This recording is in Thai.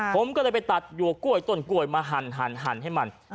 ผมก็เลยไปตัดหยวกกล้วยต้นกล้วยมาหั่นให้มัน